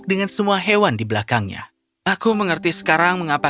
dan mengolah supporter luar onaikan itu